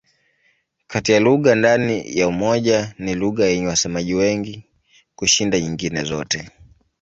Kati ya lugha ndani ya Umoja ni lugha yenye wasemaji wengi kushinda nyingine zote.